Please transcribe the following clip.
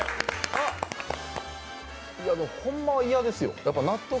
ホンマは嫌ですよ納得